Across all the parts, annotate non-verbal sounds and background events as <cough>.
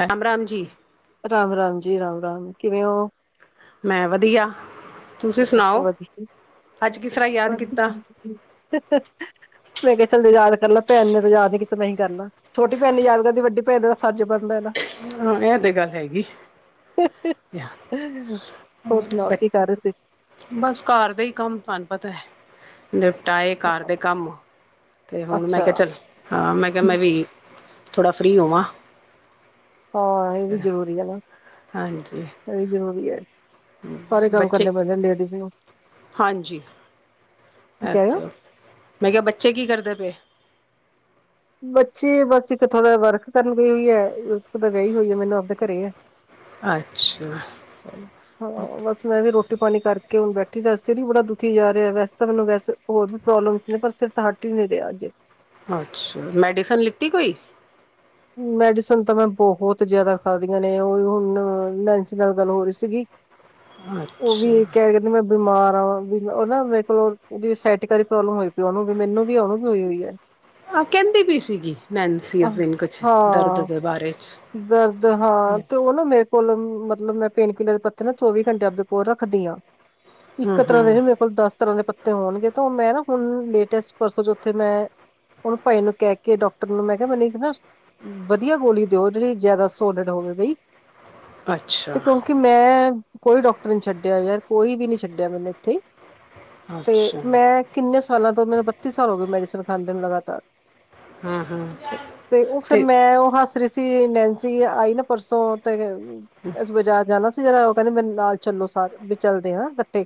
ਰਾਮ-ਰਾਮ ਜੀ। ਰਾਮ-ਰਾਮ ਜੀ, ਰਾਮ-ਰਾਮ, ਕਿਵੇ ਔ? ਮੈਂ ਵਧੀਆ, ਤੁਸੀ ਸੁਣਾਓ? ਵਧੀਆ ਅਜ ਕਿਸ ਰਾਂ ਯਾਦ ਕੀਤਾ? ਮੈ ਕੇਆ ਚਲ ਯਾਦ ਕਰਲਾ, ਭੈਣ ਨੇ ਤੇ ਯਾਦ ਨਈ ਕੀਤਾ, ਮੈਂ ਹੀ ਕਰਲਾ। ਛੋਟੀ ਭੈਣ ਨੀ ਯਾਦ ਕਰਦੀ, ਵਡੀ ਭੈਣ ਦਾ ਫਰਜ਼ ਬਣਦਾ ਏ ਨਾ? ਹਾਂ, ਏਹ ਤੇ ਗੱਲ ਹੈਗੀ। ਹੋਰ? ਕੇਹ ਰਏ ਸੀ ਬਸ ਕਾਰ ਦੇ ਈ ਕੰਮ, ਤੁਆਨੂੰ ਪਤਾ ਹੈ। ਨਿਪਟਾਏ ਕਾਰ ਦੇ ਕੰਮ, ਤੇ ਹੁਣ ਮੈ ਅੱਛਾ ਕਿਹਾ ਚਲ ਹਾਂ, ਮੈਂ ਕੇਆ ਮੈਂ ਵੀ, ਥੋੜਾ ਫ੍ਰਰੀ ਹੋਵਾਂ। ਹਾਂ, ਏਹ ਵੀ ਜ਼ਰੂਰੀ ਏ ਨਾ, ਹਾਂਜੀ ਏਹ ਵੀ ਜ਼ਰੂਰੀ ਐ। ਸਾਰੇ ਕੰਮ ਬੱਚੇ ਕਰਨੇ ਪੈਂਦੇ ਲੇਡੀਜ਼ ਨੂੰ। ਕੀ ਏ ਕਹਿ ਰਹੇ ਤ, ਹੋ ਮੈਂ ਕੇਆ ਬੱਚੇ ਕੀ ਕਰਦੇ ਪਏ? ਬੱਚੇ, ਬਸ ਇਕ ਥੋੜਾ ਰਾ ਵਰਕ ਕਰਨ ਗਈ ਹੋਈ ਐ। ਇਕ ਤਾਂ ਗਈ ਹੋਈ ਹੈ। ਮੈਨੂੰ ਆਪਦੇ ਘਰੇ ਐ। ਅਛਾ। ਹਾਂ। ਮੈ ਵੀ ਰੋਟੀ ਪਾਣੀ ਕਰਕੇ, ਹੁਣ ਬੈਠੀ ਦਾ, ਸਿਰ ਵੀ ਬੜਾ ਦੁਖੀ ਜਾ ਰੇਆ, ਵੈਸ ਤਾਂ ਮੈਨੂੰ ਵੈਸੇ, ਹੋਰ ਵੀ ਪ੍ਰੋਬਲਮਸ ਨੇ, ਪਰ ਸਿਰ ਤਾ ਹ ਹੱਟ ਈ ਨੀ ਰੇਆ ਅੱਜ। ਅਛਾ, ਮੈਡੀਸਨ ਲਿਤੀ ਕੋਈ? ਮੈਡੀਸਨ ਤਾਂ ਮੈਂ ਬੌਹੋਤ ਜਾਦਾ ਖਾਦੀਆਂ ਨੇ, ਉਈ ਹੁਣ ਨੈਨਸੀ ਨਾਲ ਗਲ ਹੋ ਰਈ ਸੀਗੀ। ਔਹ ਅੱਛਾ ਵੀ ਏਹ ਕੇਹ ਨੀ ਮੈਂ ਬਿਮਾਰ ਆ, ਵੀ ਉਹ ਨਾ ਮੇਰੇ ਕੋਲ ਉਅਦੀ ਸੈਟਿਕਾਂ ਦੀ ਪ੍ਰੋਬਲਮ ਹੋਈ ਪਈ ਉਹਨੂੰ, ਵੀ ਮੈਨੂੰ ਵੀ ਉਹਨੂੰ ਹੋਈ-ਹੋਈ ਐ। ਆਹ ਕੇਂਦੀ ਬੀ ਸੀਗੀ, ਨੈਨਸੀ ਉਸ ਅਹ, ਦਿਨ ਕੁਛ। ਦਰਦ ਹਾਂ, ਦੇ ਬਾਰੇ ਚ ਦਰਦ ਹਾਂ ਹੂੰ ਉਹ ਨਾ ਮੇਰੇ ਕੋਲ, ਮਤਲਬ ਮੈ ਪੇਨ ਕਿਲਰ ਪੱਤਾ ਨਾ, ਚੌਵੀ ਘੰਟੇ ਆਪਦੇ ਕੋਲ ਰੱਖਦੀ ਹਾਂ। ਇਕ ਤਰਾ ਦੇ ਹੂੰ ਨੀ, ਮੇਰੇ ਕੋਲ ਦਸ ਤਰਾ ਦੇ ਪੱਤੇ ਹੋਣਗੇ, ਤੋਂ ਮੈ ਨਾ ਹੁਣ, ਲੇਟੈਸ ਪਰਸੋ ਚੋਥ ਤੇ ਮੈ ਔਨੂੰ ਭਾਈ ਨੂੰ ਕੇਹ ਕੇ, ਡੋਕਟਰ ਨੂੰ, ਮੈ ਕੇਆ ਮੈਨੂੰ ਇੱਕ ਨਾ ਵਦੀਆ ਗੋਲੀ ਦਿਓ, ਜਿਅੜੀ ਜਾਅਦਾ ਸੋਲਿਡ ਹੋਵੇ ਬਈ, ਅੱਛਾ ਤੇ ਕਿਉਕਿ ਮੈਂ ਕੋਈ ਡੋਕਟਰ ਨੀ ਛਡਿਆ ਯਾਰ, ਕੋਈ ਵੀ ਨੀ ਛਡਿਆ ਮੈਨੂੰ ਇਥੇ ਤੇ ਅੱਛਾ ਮੈਂ ਕਿਨੇ ਸਾਲਾਂ ਤੋ, ਮੈਨੂੰ ਬੱਤੀ ਸਾਲ ਹੋ ਗਏ ਮੈਡੀਸਨ ਖਾਦੇਆਂ ਨੂੰ ਲਗਾਤਾਰ। ਹੂੰ-ਹੂੰ ਤੇ ਮੈ ਔਹ ਹਸ ਰੀ ਸੀ, ਨੈਨਸੀ ਆਈ ਨਾ ਪਰਸੋਂ, ਤੇ ਬਾਜ਼ਾਰ ਜਾਣਾ ਸੀ ਜਰਾਂ, ਉਹ ਕੇਂਦੀ ਮੇਰੇ ਨਾਲ ਚਲੋ ਸਾਰੇ, ਵੀ ਚਲਦੇ ਆ ਕਠੇ।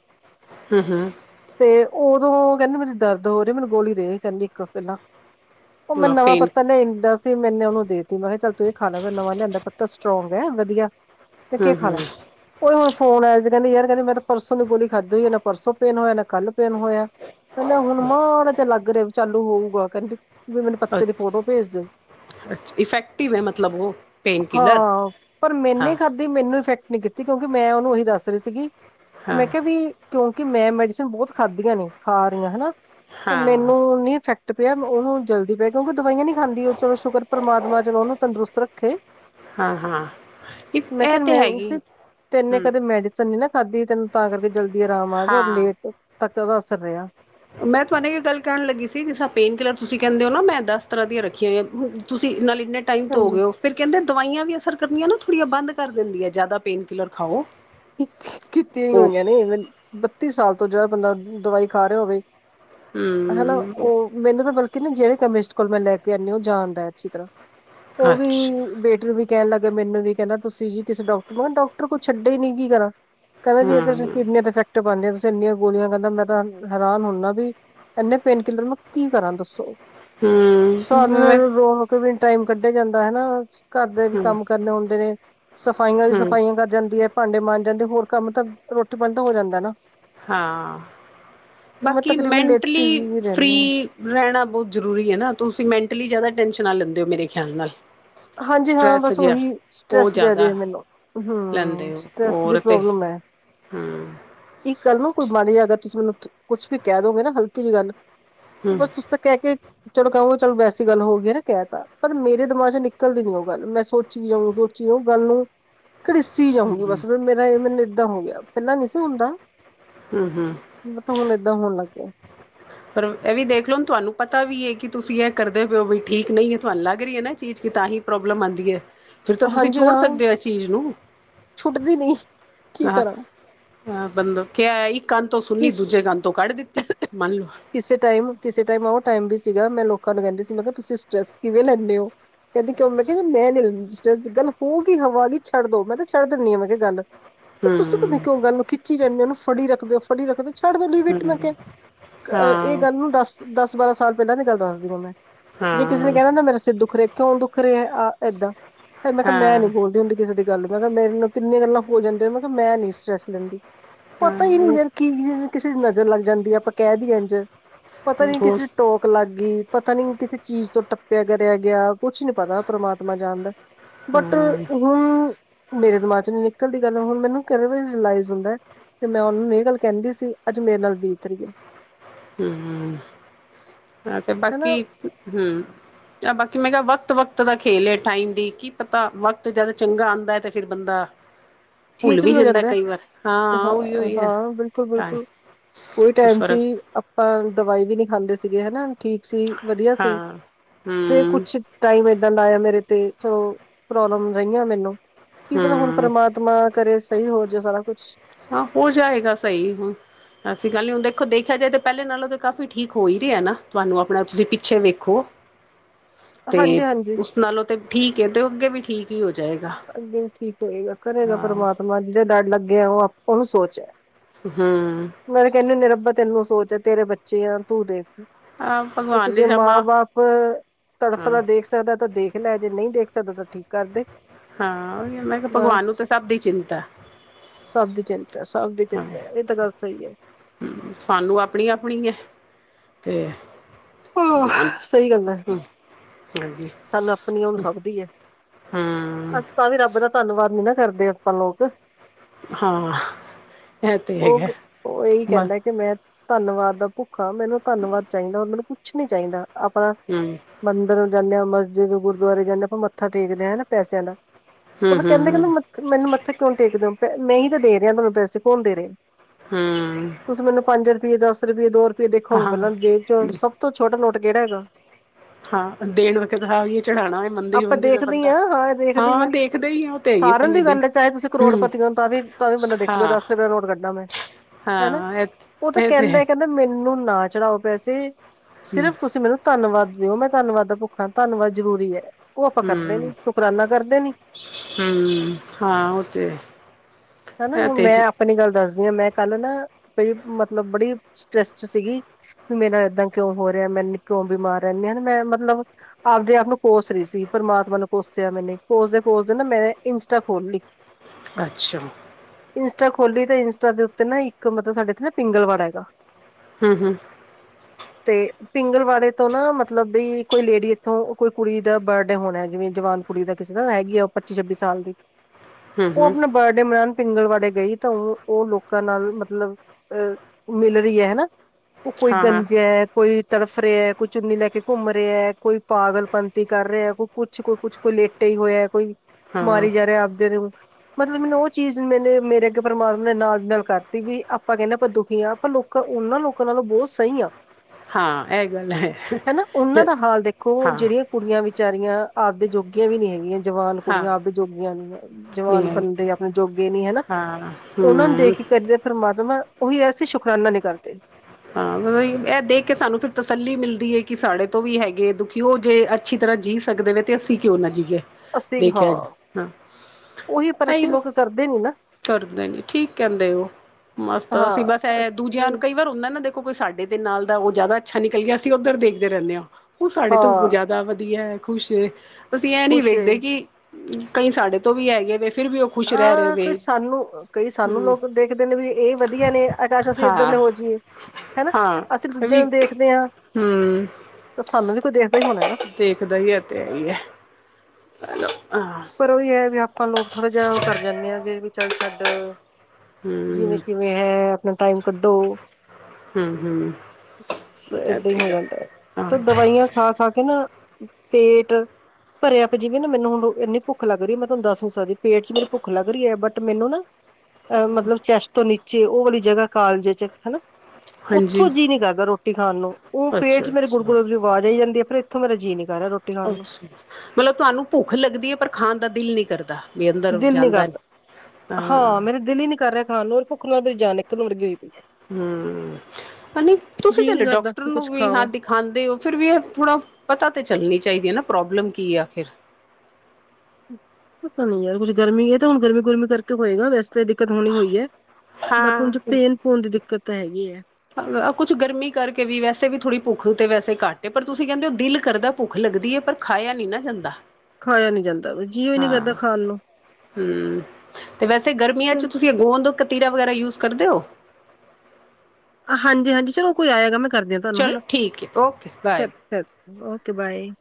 ਹੂੰ-ਹੂੰ। ਤੇ ਉਦੋ ਕੇਂਦੀ, ਮੇਰੀ ਦਰਦ ਹੋ ਰਈ, ਮੈਨੂੰ ਗੋਲੀ ਦੇ, ਕੇਂਦੀ ਇਕ ਪਹਿਲਾਂ। ਔਹ ਮੈ ਨਵਾ ਪੇਨ ਪੱਤਾ ਲੈਣ ਡਾਸ ਫੇਰ ਮੈ ਨਾ ਉਹਨੂੰ ਦੇ ਤੀ, ਮੈ ਕਿਹਾ ਚਲ ਤੂੰ ਇਹ ਖਾ ਲਾ, ਮੈਂ ਨਵਾ ਲਿਆਂਦਾ ਪੱਤਾ, ਸਟਰੋਂਗ ਐ, ਵਧੀਆ। ਤੇ ਕੇ ਹੂੰ ਹੂੰ ਖਾਣਾ ਔਹੋ ਫੋਨ ਆਇਆ ਸੀ, ਕੇਂਦੀ ਯਾਰ ਕੇਂਦੀ ਮੈਂ ਤੇ ਪਰਸੋ ਦੀ ਗੋਲੀ ਖਾਧੀ ਹੋਈ ਏ, ਨਾ ਪਰਸੋ ਪੈਨ ਹੋਇਆ, ਨਾ ਕਲ ਪੇਨ ਹੋਇਆ। ਕੇਂਦੇ ਹੁਣ ਮਾੜਾ ਜੇ ਲਗ ਰੇਆ ਵੀ ਚਾਲੂ ਹੋਊਗਾ, ਕਹਿਦੇ ਵੀ ਮੈਨੂੰ ਪੱਤੇ ਦੀ ਫੋਟੋ ਭੇਜ ਦੇਉ। ਅੱਛ, ਇਫੈਕਟਿਵ ਐ ਮਤਲਬ ਉਹ? ਪੇਨ ਕਿਲਰ ਹਾਂ ਪਰ ਹਾਂ ਮੈਨੇ ਖਾਧ ਦੀ ਮੈਨੂੰ ਇਫੈਕਟ ਨਹੀ ਕੀਤੀ ਕਿਉਕਿ ਮੈ ਉਹਨੂੰ ਉਹੀ ਦਸ ਰਹੀ ਸੀਗੀ ਹਾਂ ਮੈ ਕਿਹਾ ਵੀ ਕਿਉਂਕਿ ਮੈਂ ਮੈਡੀਸਨ ਬਹੁਤ ਖਾਧਆਂ ਨੇ ਖਾ ਰਹੀਆਂ ਹਨਾ ਤੇ ਹਾਂ ਮੈਨੂੰ ਇਫੈਕਟ ਪਿਆ ਉਹਨੂੰ ਜਲਦੀ ਪਿਆ ਕਿਉਂਕਿ ਦਵਾਈਆਂ ਨੀ ਖਾਂਦੀ ਉਹ ਚਲੋ ਸ਼ੁਗਰ ਪਰਮਾਤਾ ਚਲੋ ਉਹਨੂੰ ਤੰਦਰੁਸਤ ਰੱਖੇ ਹਾਂ ਹਾਂ ਮੈਂ ਇਹ ਕਿਹਾ ਤੇ ਮੈਂ ਹੈਗੀ ਤੈਨੇ ਹੂੰ ਕਦੇ ਮੈਡੀਸਨ ਨਾ ਤਦੀ ਤੈਨੂੰ ਤਾਂ ਕਰਕੇ ਜਲਦੀ ਆਰਾਮ ਆ ਜਾਏ ਔਰ ਹਾਂ ਲੇਟ ਤੱਕ ਦੱਸ ਰਿਹਾ। ਮੈਂ ਤੁਆਨੂੰ ਏਈਉ ਗੱਲ ਕੇਣ ਲੱਗੀ ਸੀ, ਜਿਸ ਰਾ ਪੇਨ ਕਿਲਰ ਤੁਸੀਂ ਕੇਂਦੇ ਔ ਨਾ, ਮੈਂ ਦਸ ਤਰ੍ਹਾਂ ਦੀਆਂ ਰੱਖੀਆਂ ਹੋਈਆਂ, ਹੁਣ ਤੁਸੀਂ ਨਾਲ ਇੰ ਟਾਈਮ ਤੋਂ ਔ ਹਾਂਜੀ ਗੇ ਔ, ਫਿਰ ਕਹਿੰਦੇ ਦਵਾਈਆਂ ਵੀ ਅਸਰ ਕਰਨੀਆਂ ਨਾ ਥੋਡੀਆਂ ਬੰਦ ਕਰ ਦੇਂਦੀਆਂ, ਜਾਦਾ ਪੇਨ ਕਿਲਰ ਖਾਓ। ਕੀਤੀਆਂ ਈ ਉਹ ਹੋਈਆਂ ਨੇ, ਬੱਤੀ ਸਾਲ ਤੋਂ ਜੇਅੜਾ ਬੰਦਾ ਦਵਾਈ ਖਾ ਰੇਆ ਹੋਵੇ ਹੂ,,, ਹਨਾ ਉਹ ਮੈਨੂੰ ਤਾਂ ਬਲਕਿ ਨਾ ਜਿਹੜੇ ਕੈਮਿਸਟ ਕੋਲ ਮੈਂ ਲੈ ਕੇ ਆਉਂਦੀ ਉਹ ਜਾਣਦਾ ਅੱਛੀ ਤਰ੍ਹਾਂ ਉਹ ਵੀ ਅੱਛਾ ਬੇਟੇ ਨੂੰ ਵੀ ਕਹਿਣ ਲੱਗੇ ਮੈਨੂੰ ਵੀ ਕਹਿੰਦਾ ਤੁਸੀਂ ਜੀ ਕਿਸੇ ਡਾਕਟਰ ਡਾਕਟਰ ਕੁ ਛੱਡ ਨੀ ਕੀ ਕਰ ਕਹਿੰਦੇ ਜੀ ਹਮ ਇਹ ਕਿਡਨੀਆ ਤੇ ਇਫੈਕਟ ਪਾਉਂਦੀਆਂ ਤੁਸੀਂ ਇੰਨੀਆਂ ਗੋਲੀਆਂ ਕਰਦਾ ਮੈਂ ਤਾਂ ਹੈਰਾਨ ਹੁੰਦਾ ਵੀ ਇਹਨੇ ਪੇਨ ਕਿਲਰ ਕੀ ਕਰਾਂ ਦੱਸੋ ਹੂ,,, ਸਾਧਨ ਰੋ ਕੇ ਵੀ ਟਾਈਮ ਕੱਢਿਆ ਜਾਂਦਾ ਹਨਾ ਘਰ ਦੇ ਵੀ ਹਮ ਕੰਮ ਕਰਨੇ ਆਉਂਦੇ ਨੇ ਸਫਾਈਆਂ ਦੀ ਹਮ ਸਫਾਈਆਂ ਕਰ ਜਾਂਦੀ ਹੈ ਭਾਂਡੇ ਮਾਂਜ ਜਾਂਦੇ ਹੋਰ ਕੰਮ ਤਾਂ ਰੁੱਤ ਬੰਨ ਤਾਂ ਹੋ ਜਾਂਦਾ ਨਾ ਹਾਂ ਹੁਣ ਮੈਂ ਬਾਕੀ ਤਕਰੀਬਨ ਲੇਟੀ ਮੈਂਟਲੀ ਹੀ ਰਹਿੰਨੀ ਆ, ਫਰੀ ਰਹਿਣਾ ਬਹੁਤ ਜ਼ਰੂਰੀ ਹੈ ਨਾ ਤੁਸੀਂ ਮੈਂਟਲੀ ਜ਼ਿਆਦਾ ਟੈਨਸ਼ਨ ਲੈਂਦੇ ਹੋ ਮੇਰੇ ਖਿਆਲ ਨਾਲ ਹਾਂਜੀ ਹਾਂ ਸਟਰ੍ਰੈਸ ਬਸ ਜਿਹਾ ਉਹੀ ਉਹ ਸਟਰ੍ਰੈਸ ਜ਼ਿਆਦੇ ਜ਼ਿਆਦਾ ਹੈ ਮੈਨੂੰ ਹੂ ਸਟਰ੍ਰੈਸ ਦੀ ਪ੍ਰੋਬਲਮ ਹੈ। ਹੂ,,, ਇੱਕ ਗੱਲ ਨੂੰ ਕੋਈ ਮਣੀ ਜ ਅਗਰ ਤੁਸੀਂ ਮੈਨੂੰ ਕੁੱਛ ਵੀ ਕਹਿ ਦੋਗੇ ਨਾ ਹਲਕੀ ਜਿਹੀ ਗੱਲ ਹਮ ਬਸ ਤੁਸੀ ਤਾਂ ਕਹਿ ਕੇ ਚਲੋ ਕਹਗੇ ਚਲ ਵੈਸੀ ਗੱਲ ਹੋ ਗਈ ਨਾ ਕਹਿ ਤਾ ਪਰ ਮੇਰੇ ਦਿਮਾਗ ਚ ਨਿੱ ਨਿਕਲਦੀ ਨੀ ਉਹ ਗੱਲ ਮੈਂ ਸੋਚੀ ਜਾਊ ਸੋਚੀ ਜਾਊ ਗੱਲ ਨੂੰ ਘੜੀਸੀ ਜਾਊਗੀ ਬਸ ਮੇਰਾ ਇਹ ਮੈਨੂੰ ਏਦਾਂ ਹੋ ਗਿਆ ਪਹਿਲਾਂ ਨਹੀਂ ਸੀ ਹੁੰਦਾ ਹੂ ਹੂ,,, ਬਟ ਹੁਣ ਏਦਾਂ ਹੋਣ ਲੱਗੇ ਪਰ ਇਹ ਵੀ ਦੇਖ ਲਓ ਤੁਹਾਨੂੰ ਪਤਾ ਵੀ ਹੈ ਕਿ ਤੁਸੀਂ ਇਹ ਕਰਦੇ ਹੋ ਹੋ ਵੀ ਠੀਕ ਨਹੀਂ ਹੈ ਤੁਹਾਨੂੰ ਲੱਗ ਰਹੀ ਹੈ ਨਾ ਚੀਜ਼ ਕਿ ਤਾਂ ਹੀ ਪ੍ਰੋਬਲਮ ਆਂਦੀ ਹੈ। ਫਿਰ ਤਾਂ ਤੁਸੀਂ ਹਾਂਜੀ ਛੋੜ ਹਾਂ ਸਕਦੇ ਹੋ ਇਸ ਚੀਜ਼ ਨੂੰ ਛੁੱਟਦੀ ਨਹੀਂ ਕੀ ਆਹ ਕਰਾਂ ਹਹ ਬੰਦਾ ਕ ਇੱਕ ਕੰਨ ਤੋਂ ਸੁਨੀ ਦੂਜੇ ਕੰਨ ਤੋਂ ਕੱਢ ਦਿੱਤੀ ਮੰਨ ਲਓ ਕਿਸੇੇ ਟਾਈਮ ਕਿਸੇ ਟਾਈਮ ਉਹ ਵੀ ਸੀਗਾ ਮੈਂ ਲੋਕਾਂ ਨੂੰ ਕਹਿੰਦੀ ਸੀ ਮੈਂ ਕਿਹਾ ਤੁਸੀਂ ਸਟੈਸ ਕਿਵੇਂ ਲੈਂਦੇ ਹੋ ਕਹਿੰਦੀ ਕਿਉਂ ਮੈਂ ਕਹਿੰ ਮੈਂ ਹਿਲਦੀ ਗੱਲ ਹੋ ਗਈ ਹਵਾਗੀ ਛੱਡ ਦੋ ਮੈਂ ਤਾਂ ਛੱਡ ਦਿੰਦੀ ਹਾਂ ਮੈਂ ਕਿਹਾ ਗੱਲ ਤੁਸੀਂ ਨ ਹੂੰ ਕਿਉ ਗੱਲ ਖਿੱਚੀ ਰਹਦੇ ਨੂੰ ਫੜੀ ਰੱਖਦੇ ਹੋ ਫੜੀ ਰੱਖਦੇ ਓ ਛੱਡ ਦਿਓ ਮੈਂ ਹੂੰ ਕਿਹਾ ਅ ਇਹ ਹਾਂ ਗੱਲ ਨੂੰ ਦੱਸ ਦਸ ਬਾਰਾਂ ਸਾਲ ਪਹਿਲਾਂ ਨੀ ਗੱਲ ਦੱਸਦੀ ਮੈਂ ਜੇ ਕਿਸੇ ਨੇ ਹਾਂ ਕਹਿਣਾ ਨਾ ਮੇਰਾ ਸਿਰ ਦੁੱਖ ਰੇਖ ਕਿਉਂ ਦੁੱਖ ਰਿਹੇ ਆਹ ਏਦਾਂ ਫਿਰ ਮੈਂ ਕਿਹਾ ਮੈਂ ਨੀ ਹਾਂ ਬੋਲਦੀ ਹੁੰਦੀ ਕਿਸੇ ਦੇ ਗੱਲ ਮੈਂ ਕਿਹਾ ਮੇਰੇ ਨਾਲ ਕਿੰਨੇ ਗੱਲਾਂ ਹੋ ਜਾਂਦੇ ਮੈਂ ਕਿਹਾ ਮੈਂ ਨੀ ਸਟਰੈਸ ਲੈਂਦੀ ਹਾਂ ਪਤਾ ਹੀ ਨੀ ਕੀ ਕਿਸੇ ਦੀ ਨਜ਼ਰ ਲੱਗ ਜਾਂਦੀ ਹੈ ਆਪਾਂ ਕਹਿ ਦਈਏ ਇੰਝ ਪਤਾ ਨੀ ਕਿਸੇ ਦੀ ਹੋਸ ਟੋਕ ਲੱਗ ਗਈ ਪਤਾ ਨੀ ਕਿਸੇ ਚੀਜ਼ ਤੋਂ ਟੱਪਿਆ ਕਰਿਆ ਗਿਆ ਕੁਛ ਨੀ ਪਤਾ ਪ੍ਰਮਾਤਮਾ ਜਾਣ ਦਾ ਬਟ ਹਾਂ ਹੁਣ ਮੇਰੇ ਦਿਮਾਗ ਚ ਨ ਨਿਕਲਦੀ ਗੱਲ ਹੁਣ ਮੈਨੂੰ ਕ ਵੀ ਨ ਰਿਲਾਈਜ਼ ਹੁੰਦਾ ਤੇ ਮੈਂ ਉਹਨਾਂ ਨੂੰ ਇਹ ਗੱਲ ਕਹਿੰਦੀ ਸੀ। ਮੇਰੇ ਨਾਲ ਬੀਤ ਰਹੀਏ ਹੂ ਹਾਂ ਤੇ ਹਨਾ ਬਾਕੀ ਹੂ ਬਾਕੀ ਮੈਂ ਕਿਹਾ ਵਕਤ ਵਕਤ ਦਾ ਖੇਲ ਹੈ ਟਾਈਮ ਦੀ ਕੀ ਪਤਾ ਵਕਤ ਜਦ ਚੰਗਾ ਆਉਂਦਾ ਹੈ ਤਾਂ ਫਿਰ ਬੰਦਾ ਭੁੱਲ ਠੀਕ ਵੀ ਹੋ ਜਾਂਦਾ ਕਈ ਵਾਰ ਹੈ ਹਾਂ ਉਹੀ ਉਹੀ ਹੈ ਹਾਂ ਬਿਲਕੁਲ ਟਾਈਮ ਬਿਲਕੁਲ ਕੋਈ ਕੁਛ ਟਾਈਮ ਸੀ। ਫਰਕ ਆਪਾਂ ਦਵਾਈ ਵੀ ਨਹੀਂ ਖਾਂਦੇ ਸੀਗੇ ਹਨਾ ਠੀਕ ਸੀ ਵਧੀਆ ਹਾਂ ਸੀ ਫਿਰ ਹੂੰ ਕੁਛ ਟਾਈਮ ਏਦਾਂ ਲਾਇਆ ਮੇਰੇ ਤੇ ਚਲੋ ਪ੍ਰੋਬਲਮ ਰਹੀਆਂ ਮੈਨੂੰ ਕੀ ਪਤਾ ਹੁਣ ਹੂੰ ਪਰਮਾਤਮਾ ਪਰਮਾਤਮਾ ਕਰੇ ਸਹੀ ਹੋਰ ਜਾ ਸਾਰਾ ਕੁਛ ਹਾਂ ਹੋ ਜਾਏਗਾ ਸਹੀ ਹੁਣ ਐਸੀ ਗੱਲ ਨਹੀਂ ਹੁਣ ਦੇਖੋ ਦੇਖਿਆ ਜਾਏ ਤਾਂ ਪਹਿਲੇ ਨਾਲੋਂ ਤਾਂ ਕਾਫੀ ਠੀਕ ਹੋ ਹੀ ਰਿਹਾ ਨਾ ਤੁਹਾਨੂੰ ਆਪਣਾ ਤੁਸੀਂ ਪਿੱਛੇ ਵੇਖੋ <inaudible> ਤੇ ਹਾਂਜੀ ਹਾਂਜੀ ਉਸ ਨਾਲੋਂ ਤੇ, ਠੀਕ ਹੈ, ਤੇ ਅੱਗੇ ਵੀ, ਠੀਕ ਹੀ ਹੋ ਜਾਏਗਾ। ਅੱਗੇ ਵੀ, ਠੀਕ ਹੋਏਗਾ। ਕਰੇਗਾ ਹਾਂ ਪ੍ਰਮਾਤਮਾ, ਜਿਹਦੇ ਲੜ ਲੱਗੇ ਆ। ਉਹ ਆਪ ਉਹਨੂੰ ਸੋਚ ਹੈ। ਹੂੰ। ਮੈਂ ਤੇ ਚੈਨੀ ਊਨਹੀਂ ਆ। ਰੱਬਾ ਤੈਨੂੰ ਸੋਚ ਆ, ਤੇਰੇ ਬੱਚੇ ਆ, ਤੂੰ ਦੇਖ। ਹਾਂ ਇੱਕ ਭਗਵਾਨ ਨੇ ਜੇ ਮਾਂ- ਜਮਾ ਬਾਪ ਤੜਫ ਹਾਂ ਦਾ ਦੇਖ ਸਕਦਾ ਤਾਂ ਦੇਖ ਲੈ। ਜੇ ਨਹੀਂ ਦੇਖ ਸਕਦਾ ਤਾਂ, ਠੀਕ ਕਰਦੇ। ਹਾਂ। ਉਹੀ ਨਾ ਮੈਂ ਕਿਹਾ, ਭਗਵਾਨ ਨੂੰ ਤਾਂ, ਸਭ ਦੀ ਚਿੰਤਾ ਐ। ਸਭ ਦੀ ਚਿੰਤਾ ਹੈ, ਸਭ ਦੀ ਹਾਂ ਚਿੰਤਾ ਹੈ। ਇਹ ਤਾਂ ਗੱਲ ਸਹੀ ਹੈ। ਸਾਨੂੰ, ਆਪਣੀ- ਆਪਣੀ ਹੈ। ਤੇ ਆਹ ਹੂੰ, ਸਹੀ ਗੱਲ ਹੈ ਹਾਂਜੀ। ਸਾਨੂੰ ਆਪਣੀ, ਉਹਨੂ ਸਭਦੀ ਦੀ ਹੈ। ਹਮ ਅਸੀ ਤਾਂ ਵੀ ਰੱਬ ਦਾ ਧੰਨਵਾਦ ਨੀ, ਨਾ ਕਰਦੇ। ਆਪਾਂ ਲੋਕ ਹਾਂ ਇਹ ਤੇ ਹੈਗਾ ਉਹ, ਉਹ ਇਹੀ ਮ ਕਹਿੰਦਾ, ਕਿ ਮੈਂ ਧੰਨਵਾਦ ਦਾ ਭੁੱਖਾ। ਮੈਨੂੰ ਧੰਨਵਾਦ ਚਾਹੀਦਾ। ਮੈਨੂੰ ਕੁੱਛ ਨੀ ਚਾਹੀਦਾ। ਆਪਣਾ ਹੂੰ। ਮੰਦਰ ਨੂੰ ਜਾਂਦੇ ਹਾਂ। ਮਸਜਿਦ, ਗੁਰਦੁਆਰੇ ਜਾਂਦੇ ਹਾਂ। ਆਪਾਂ ਮੱਥਾ ਟੇਕਦੇ ਹ ਹਨਾ। ਪੈਸਿਆਂ ਨਾ ਉਹ ਹਮ ਤਾਂ ਕਹਿੰਦੇ, ਹਮ ਕਹਿੰਦੇ ਮੈਨੂੰ ਮੱਥਾ, ਕਿਉਂ ਟੇਕ ਦਿਓ ਔ। ਮੈਂ ਹੀ ਤਾਂ ਦੇ ਰਿਹਾ। ਤੁਹਾਨੂੰ ਪੈਸੇ, ਕੌਣ ਦੇ ਰਹੇ। ਹੂੰ। ਤੁਸੀਂ ਮੈਨੂੰ, ਪੰਜ ਰੁਪਏ, ਦਸ ਰੁਪਏ, ਦੋ ਰੁਪਏ ਦੇੋਖੋਗੇ। ਹਾਂ ਪਹਿਲਾ ਜੇਬ ਚੋ, ਸਭ ਤੋਂ ਛੋਟਾ ਨੋਟ ਕਿਹੜਾ ਹੈਗਾ। ਹਾਂ। ਦੇਣ ਵਕਤ ਤਾਂ, ਹ ਵੀ ਚੜਾਉਣਾ। ਮੰਦਿਰ ਆਪਾਂ ਮੰਦਿਰ ਦਾ ਦੇਖਦੀ ਬੰਦਾ ਹਾਂ, ਹਾਂ ਦੇਖਦੀ ਹਾਂ। ਦੇਖਦਾ ਹੀ ਆ ਉਹ ਤੇ ਆਈਏ ਸਾਰਨ ਪੱਲੇ ਦੀ ਦੇ ਗੱਲ ਹੈ। ਚਾਹੇ ਤੁਸੀਂ ਹਮ ਕਰੋੜਪਤੀ ਹੋ। ਤਾਂ ਵੀ ਤਾਂ ਵੀ ਬੰਦਾ ਦੇਖੂਗਾ। ਹਾਂ ਦਸ ਰੁਪਏ ਦਾ ਨੋਟ ਕੱਢਾ ਮੈਂ। ਹਨਾ ਹਾਂ ਉਹ ਇਹ ਤਾਂ, ਇਹ ਤੇ ਹੈ ਕਹਿੰਦਾ ਕਹਿੰ ਦਾ, ਮੈਨੂੰ ਨਾ ਚੜਾਓ ਪੈਸੇ। ਹੂੰ ਸਿਰਫ ਤੁਸੀਂ ਮੈਨੂੰ ਧੰਨਵਾਦ ਦਿਓ। ਮੈਂ ਧੰਨਵਾਦ ਭ ਹਾਂ, ਧੰਨਵਾਦ ਜ਼ਰੂਰੀ ਹੈ। ਉਹ ਆਪਾਂ, ਕਰਦੇ ਹੂੰ ਨੀ। ਸੁਕਰਾਨਾ ਕਰਦੇ ਨੀ ਹੂੰ ਹਾਂ ਉਹ ਤੇ ਹੈ ਹਨਾ ਇਹ ਤੇ ਮੈਂ ਜੀ ਆਪ ਆਪਣੀ ਗੱਲ ਦੱਸਦੀ ਹਾਂ। ਮੈਂ ਕੱਲ ਨਾ, ਮਤਲਬ ਬੜੀ ਸਟਰ੍ਰੈਸ ਚ ਸੀਗੀ। ਵੀ ਮੇਰਾ ਏਦਾਂ, ਕਿਉ ਹੋ ਰਿਹਾ। ਮੈ ਕਿਉਂ ਬਿਮਾਰ ਰਹਿੰਦੀ, ਹ ਹਨਾ। ਮੈਂ ਮਤਲਬ ਆਪਦੇ, ਆਪ ਨੂੰ, ਕੋਸ ਰਹੀ ਸੀ। ਪਰਮਾਤਮਾ ਨੂੰ ਕੋਸਿਆ ਮੈਨੇ। ਕੋਸ ਦੇ- ਕੋਸਦੇ ਨਾ, ਮੈਂ ਇੰਸਟਾ ਖੋਲ ਲਈ <inaudible> ਅੱਛਾ। ਇੰਸਟਾ ਖੋਲੀ ਤਾਂ, ਇੰਸਟਾ ਦੇ ਉੱਤੇ ਨਾ ਇੱਕ, ਮਤਲਬ ਸਾਡੇ ਇੱਥੇ ਨਾ, ਪਿੰਗਲਵਾੜਾ ਹੈਗਾ। ਹੂੰ- ਹੂੰ। ਤੇ ਪਿੰਗਲਵਾੜੇ, ਤੋਂ ਨਾ ਮਤਲਬ ਵੀ ਕੋਈ ਲੇਡੀ, ਇੱਥੋਂ ਕੋਈ ਕੁੜੀ ਦਾ ਬਰਡੇ ਹੋਣਾ। ਜਿਵੇਂ ਜਵਾਨ ਕੁੜੀ ਦਾ, ਕਿਸੇ ਦਾ ਹੈਗੀ, ਆ ਉਹ ਪੱਚੀ, ਛੱਬੀ ਸਾਲ ਦੀ ਹੂੰ ਉਹ ਹੂੰ ਆਪਣਾ ਬਰਡੇ, ਮਨਾਉਣ ਪਿੰਗਲ ਵਾੜੇ ਗਈ। ਤਾਂ ਉਹ, ਉਹ ਲੋਕਾਂ ਨਾਲ ਮਤਲਬ ਅਹ ਮਿਲ ਰਹੀ ਹੈ, ਨਾ ਉਹ ਕੋਈ, ਹਾਂ ਗੰਜ ਰਿਹਾ ਹੈ। ਕੋਈ ਤੜਫਰੇ ਰਿਹਾ ਹੈ। ਕੋਈ ਚੁੰਨੀ ਲੈ ਕੇ ਘੁੰਮਣ ਰਿਹਾ ਹੈ। ਕੋਈ ਪਾਗਲ ਪੰਥੀ ਕਰ ਰਿਹਾ ਹੈ। ਕੋਈ ਕੁਛ, ਕੋਈ ਕੁਛ ਕੋਈ ਲੇਟੇ ਹੀ ਹੋਇਆ। ਕੋਈ ਹਾਂ ਹਾਂ ਮਾਰੀ ਜਾ ਰਿਆ ਹੈ। ਆਪਦੇ ਨੂ ਮਤਲਬ ਮੈਨੂੰ ਉਹ ਚੀਜ਼, ਮੈਨੇ, ਮੇਰੇ ਅੱਗੇ ਪਰਮਾਤਮ ਨੇ, ਨਾਲ ਦੀ ਨਾਲ ਕਰਤੀ ਵੀ। ਆਪਾਂ ਕਹਿੰਦੇ ਆਪਾਂ ਦੁਖੀ ਆਂ। ਆਪਾਂ ਲੋਕਾਂ। ਉਹਨਾਂ ਲੋਕਾਂ ਨਾਲੋਂ, ਬਹੁਤ ਸਹੀ ਆ। ਹਾਂ। ਇਹ ਗੱਲ ਹੈ। ਹਨਾ ਉਹਨਾਂ ਦਾ ਹਾਲ ਦੇਖੋ। ਹਾਂ ਜਿਹੜੀਆਂ ਕੁੜੀਆਂ ਵਿਚਾਰੀਆਂ, ਆਪਦੇ ਜੋਗੀਆਂ ਵੀ, ਨਹੀਂ ਹੈਗੀਆਂ। ਜਵਾਨ ਹਾਂ ਕੁੜੀਆਂ, ਆਪ ਵੀ ਜੋਗੀਆਂ ਨੀ। ਨਹੀਂ ਜਵਾਨ ਹੈਗੀ ਬੰਦੇ ਆਪਣੇ, ਜੋਗੇ ਨੀ ਹਨਾ। ਹਾਂ ਉਹਨਾਂ ਨੂੰ ਹੂੰ ਦੇਖ ਕੇ ਕਰੀਦੇ। ਪਰਮਾਤਮਾ ਉਹੀ, ਅਸੀ ਸ਼ੁਕਰਾਨਾ ਨੀ ਕਰਦੇ। ਹਾਂ, ਮਤਤਬ ਇਹ ਦੇਖ ਕੇ, ਸਾਨੂੰ ਫੇਰ ਤਸੱਲੀ ਮਿਲਦੀ ਹੈ। ਕਿ ਸਾਡੇ ਤੋਂ ਵੀ, ਹੈਗੇ ਦੁਖੀ। ਹੋ ਜੇ ਅੱਛੀ ਤਰ੍ਹਾਂ ਜੀਅ ਸਕਦੇ ਵੇ, ਤੇ ਅਸੀਂ ਕਿਉਂ ਨਾ ਜੀਏ ਅਸੀਂ ਹਾਂ ਦੇਖਿਆ ਹਾਂ ਉਹੀ ਪਰ ਏ ਅਸੀਂ ਹੀ ਹੋ ਲੋਕ ਕਰਦੇ ਨੀ ਨਾ ਕਰਦੇ ਨੇ, ਠੀਕ ਕਹਿੰਦੇ ਉਹ। ਮਸਤ, ਹਾਂ ਅਸੀਂ ਬਸ ਇਹ ਅਸੀਂ ਦੂਜਿਆਂ ਨੂੰ ਕਹੀ ਹੁੰਦਾ ਨਾ ਦੇਖੋ ਕੋਈ ਸਾਡੇ ਦੇ ਨਾਲ ਦਾ ਉਹ ਜ਼ਿਆਦਾ ਅੱਛਾ ਨਿਕਲ ਗਿਆ, ਅਸੀਂ ਉੱਧਰ ਦੇਖਦੇ ਰਹਿੰਦੇ ਹਾਂ। ਉਹ ਸਾਡੇ ਤੋਂ ਹਾਂ ਜ਼ਿਆਦਾ ਵਧੀਆ ਖੁਸ਼ ਏ, ਅਸੀਂ ਇਹ ਨੀ ਖੁਸ਼ ਏ ਵੇਖਦੇ ਕਿ ਕਈ ਸਾਡੇ, ਤੋਂ ਵੀ ਹੈਗੇ ਨੇ। ਫੇਰ ਵੀ ਖੁਸ਼ ਰਹਿ ਰਹੇ ਆਹ। ਕੋਈ ਵੇ। ਸਾਨੂੰ ਕਈ ਸਾਨੂੰ ਹੂੰ ਲੋਕ ਦੇਖਦੇ ਨੇ ਵੀ ਇਹ ਵਧੀਆ ਨੇ, ਕਾਸ਼ ਅਸੀਂ ਇੱਦਾਂ ਦੇ ਹਾਂ ਹੋ ਜਾਈਏ। ਹੈਨਾ ਹਾਂ ਅਸੀਂ ਇਹ ਦੂਜਿਆਂ ਵੀ ਨੂੰ ਦੇਖਦੇ ਹਾਂ, ਹੂੰ ਤਾਂ ਸਾਨੂੰ ਵੀ ਕੋਈ ਦੇਖਦਾ ਹੀ ਹੋਣਾ ਨਾ। ਦੇਖਦਾ ਹੀ ਹੈ, ਏ ਤੇ ਹੈ ਹੀ ਹੈ। ਹੈਲੋ ਪਰ ਉਹੀ ਹੈ ਵੀ ਆਪਾਂ ਲੋਕ ਥੋੜਾ ਜਿਹਾ ਉਹ ਕਰ ਜਾਂਨੇ ਆ, ਅਗੇ ਵੀ, ਚੱਲ ਛੱਡ ਜਿਵੇਂ ਹੂੰ ਕਿਵੇਂ ਹੈ, ਆਪਣਾ ਟਾਈਮ ਕੱਢੋ। ਹੂੰ ਹੂੰ ਇਹ ਏਦਾਂ ਹੀ ਤੇ ਹੋ ਜਾਂਦਾ, ਗੱਲ ਹਾਂ ਤੇ ਦਵਾਈਆਂ ਖਾ ਖਾ ਕੇ ਨਾ, ਪੇਟ ਭਰਿਆ ਪ ਜਿਵੇਂ ਨਾ ਮੈਨੂੰ ਹੁਣ ਇਨੇ ਭੁੱਖ ਲੱਗ ਰਹੀ ਹੈ ਮੈਂ ਤੁਹਾਨੂੰ ਦੱਸ ਨਹੀਂ ਸਕਦੀ, ਪੇਟ ਚ ਮੇਰੇ ਭੁੱਖ ਲੱਗ ਰਹੀ ਹੈ, ਬੱਟ ਮੈਨੂੰ ਨਾ ਅ ਮੱਤਲਬ ਚੈਸਟ ਤੋਂ ਨੀਚੇ, ਉਹ ਵਾਲੀ ਜਗ੍ਹਾ ਕਾਲਜੇ ਚ ਹੈਨਾ ਉੱਥੋਂ ਹਾਂਜੀ ਜੀਅ ਨੀ ਕਰਦਾ ਰੋਟੀ ਖਾਣ ਨੂੰ, ਉਹ ਪੇਟ ਅੱਛਾ ਚ ਮੇਰੇ ਅੱਛਾ ਗੁੜਗੁੁੜ ਆਵਾਜ ਆ ਜਾਂਦੀ ਹੈ, ਪਰ ਇਥੋਂ ਮੇਰਾ ਜਿਅ ਨਹੀਂ ਕਰਹਾ, ਰੋਟੀ ਖਾਣ ਨੂੰ ਅੱਛਾ, ਮੱਤਲਬ ਤੁਹਾਨੂੰ ਭੁੱਖ ਲੱਗਦੀ ਹੈ ਪਰ ਖਾਣ ਦਾ ਦਿਲ ਨੀ ਕਰਦਾ। ਵੀ ਅੰਦਰ ਦਿਲ ਨੀ ਜਾਂਦਾ ਕਰਦਾ, ਹਾਂ ਮੇਰੇ ਦਿਲ ਹੀ ਨੀ ਕਰ ਰਿਹਾ ਖਾਣ ਨੂੰ, ਭੁੱਖ ਨਾਲ ਮੇਰੀ ਜਾਣ ਨਿਕਲ ਵਰਗੀ ਹੋਈ ਪਈ ਹੈ। ਹਾ ਨੀ, ਤੁਸੀਂ ਜੀਅ ਨੀ ਹਲੇੇ ਕਰਦਾ ਡਾਕਟਰ ਕਿ ਨੂੰ ਕੁੱਛ ਵੀ, ਹਾ ਖਾਵਾਂ ਖਾਂਦੇ ਹੋ, ਫਿਰ ਵੀ ਇਹ ਥੋੜਾ ਪਤਾ ਤਾਂ ਚੱਲਣੀ ਚਾਹੀਦੀ ਹੈ ਨਾ, ਪ੍ਰੋਬਲਮ ਕੀ ਆ ਫਿਰ ਪਤਾ ਨੀ ਯਾਰ ਕੁੱਝ ਗਰਮੀਂ ਹੈ, ਤਾਂ ਹੁਣ ਗਰਮੀਂ ਗੁਰਮੀਂ ਕਰਕੇ ਹੋਏਗਾ ਵੈਸੇ ਤਾਂ ਏ ਦਿੱਕਤ ਹੁਣ ਹੀ ਹੋਈ ਹੈ। ਬੱਟ ਹੁਣ ਹਾਂ ਪੇਨ ਪੂਣ ਦੀ ਦਿੱਕਤ ਤਾਂ ਹੈਗੀ ਹੈ। ਹ ਕੁੱਛ ਗਰਮੀ ਕਰਕੇ ਵੀ, ਵੈਸੇ ਵੀ ਥੋੜ੍ਹੀ ਭੁੱਖ ਤੇ ਵੈਸੇ ਘੱਟ ਏ, ਪਰ ਤੁਸੀਂ ਕਹਿੰਦੇ ਹੋ, ਦਿਲ ਕਰਦਾ ਭੁੱਖ ਲੱਗਦੀ ਹੈ, ਪਰ ਖਾਇਆ ਨੀ ਨਾ ਜਾਂਦਾ। ਖਾਇਆ ਨੀ ਜਾਂਦਾ ਜੀਓ ਹੀ ਨੀ ਹਾਂ, ਕਰਦਾ ਖਾਣ ਨੂੰ ਹੁ, ਤੇ ਵੈਸੇ ਗਰਮੀਆਂ ਚੱ ਚਲ ਤੁਸੀਂ ਤੁਸੀਂ ਗੋੋਂਦ ਕਤੀਰਾ ਵਗੈਰਾ ਯੂਜ ਕਰਦੇ ਹੋ। ਹਾਂਜੀ ਹਾਂਜੀ ਚਲੋ ਕੋਈ ਆਇਆ ਹੈਗਾ, ਮੈਂ ਕਰਦੀ ਆਂ। ਚਲੋ ਠੀਕ ਹੈ, ਔਕੇ ਬਾਏ। Okay bye